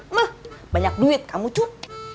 meh banyak duit kamu cuk